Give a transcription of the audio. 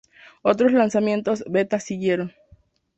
Otros lanzamientos beta siguieron.